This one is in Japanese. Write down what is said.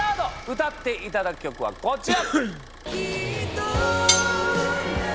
歌っていただく曲はこちら。